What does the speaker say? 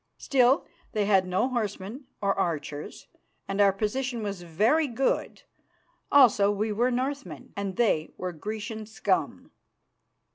Still, they had no horsemen or archers, and our position was very good, also we were Northmen and they were Grecian scum.